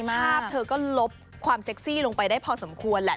ภาพเธอก็ลบความเซ็กซี่ลงไปได้พอสมควรแหละ